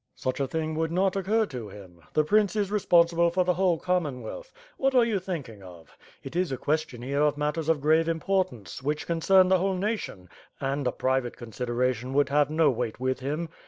"Such a thing would not occur to him. The prince is re sponsible for the whole Commonwealth. What are you thinking of? It is a question here of matters of grave im portance, which concern the whole nation, and a private con sideration would have no weight with him.